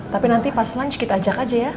tapi nanti pas lunch kita ajak aja ya